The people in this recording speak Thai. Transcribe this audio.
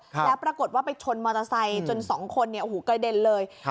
แล้วปรากฏว่าไปชนมอเตอร์ไซค์จนสองคนเนี่ยโอ้โหกระเด็นเลย